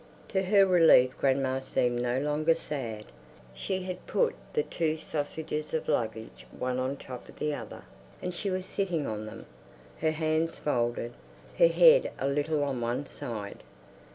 To her relief grandma seemed no longer sad. She had put the two sausages of luggage one on top of the other, and she was sitting on them, her hands folded, her head a little on one side.